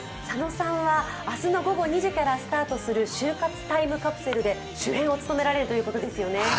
佐野さんは明日の午後２時からスタートする「就活タイムカプセル」で主演を務められるということですよね。